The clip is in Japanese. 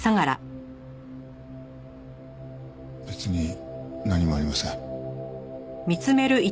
別に何もありません。